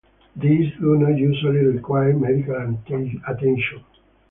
These do not usually require medical attention.